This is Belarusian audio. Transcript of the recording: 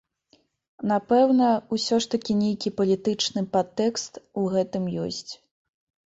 Напэўна, усё ж такі нейкі палітычны падтэкст у гэтым ёсць.